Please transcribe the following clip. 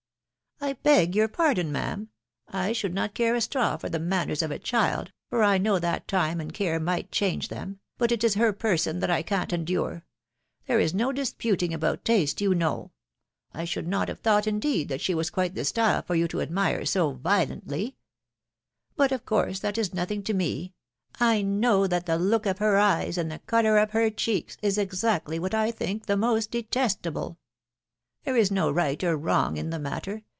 " I beg your pardon, ma'am I should not care a straw for the manners of a child, for I know that time and care might change them, .... but it is her person that I can't endure ;.... there is no disputing about taste, you know, I should not have thought, indeed, that she was quite the style for you to admire so violently ;.... but, of course, that is nothing to me .... I know that the look of her eyes, and the colour of her cheeks, is exactly what I think the most detestable ;... there is no right or wrong in the matter